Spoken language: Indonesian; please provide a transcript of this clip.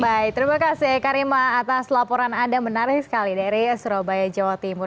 baik terima kasih karima atas laporan anda menarik sekali dari surabaya jawa timur